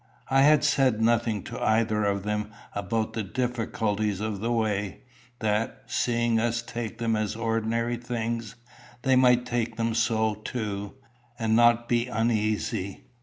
I had said nothing to either of them about the difficulties of the way, that, seeing us take them as ordinary things, they might take them so too, and not be uneasy.